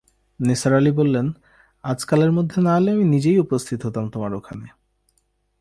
নিসার আলি বললেন, আজকালের মধ্যে না এলে আমি নিজেই উপস্থিত হতাম তোমার ওখানে।